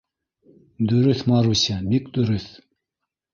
— Дөрөҫ, Маруся, бик дөрөҫ.